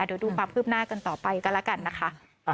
เดี๋ยวดูความคืบหน้ากันต่อไปก็แล้วกันนะคะ